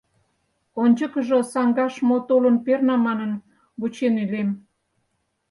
— Ончыкыжо, саҥгаш мо толын перна манын, вучен илем.